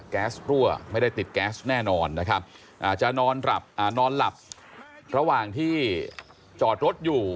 แก๊สรั่วไม่ได้ติดแก๊สแน่นอนอาจจะนอนหลับระหว่างที่จอดรถอยู่